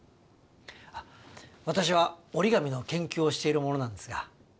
あっ私は折り紙の研究をしている者なんですが。